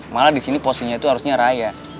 malah di sini posinya itu harusnya raya